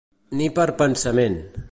Ni per pensament.